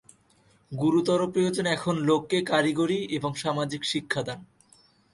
গুরুতর প্রয়োজন এখন লোককে কারিগরী এবং সামাজিক শিক্ষাদান।